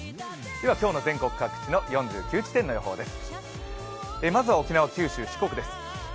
今日の全国各地の４９地点の予報です。